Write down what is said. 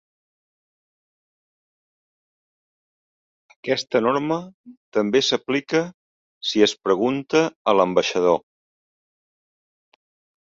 Aquesta norma també s'aplica si es pregunta a l'ambaixador.